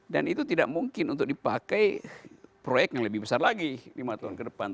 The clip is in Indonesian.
dan itu tidak mungkin untuk dipakai proyek yang lebih besar lagi lima tahun ke depan